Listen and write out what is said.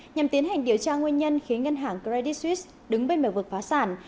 nhằm tiến hành điều tra nguyên nhân khiến ngân hàng credit suisse đứng bên mềm vực phá sản